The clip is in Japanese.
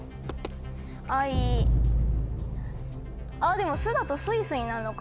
でも「ス」だとスイスになるのか。